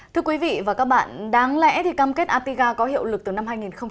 thưa quý vị và các bạn đáng lẽ thì cam kết atiga có hiệu lực từ năm hai nghìn một mươi năm